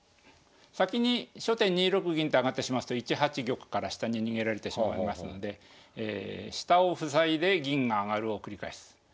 先に初手２六銀と上がってしまいますと１八玉から下に逃げられてしまいますんで下を塞いで銀が上がるを繰り返す。